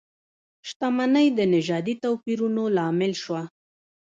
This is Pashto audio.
شتمنۍ د نژادي توپیرونو لامل شوه.